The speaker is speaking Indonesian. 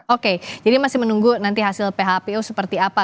oke jadi masih menunggu nanti hasil phpu seperti apa